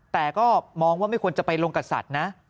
แต่ก็มองว่าไม่ควรจะไปลงกับสัตว์นะ